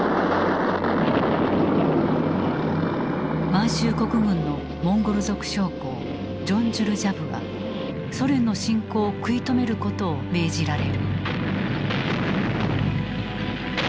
満州国軍のモンゴル族将校ジョンジュルジャブはソ連の侵攻を食い止めることを命じられる。